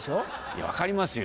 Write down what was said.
いや分かりますよ。